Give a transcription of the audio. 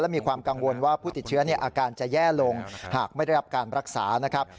มีความกังวลว่าผู้ติดเชื้ออาการจะแย่ลงหากไม่ได้รับการรักษานะครับ